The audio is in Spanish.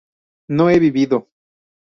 ¿no he vivido?